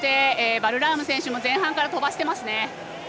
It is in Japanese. バルラーム選手も前半から飛ばしてますね。